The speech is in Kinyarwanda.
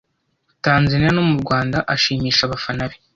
Tanzaniya no mu Rwanda ashimisha abafana be